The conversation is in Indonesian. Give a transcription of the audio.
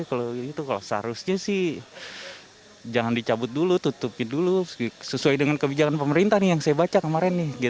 kalau gitu kalau seharusnya sih jangan dicabut dulu tutupin dulu sesuai dengan kebijakan pemerintah nih yang saya baca kemarin nih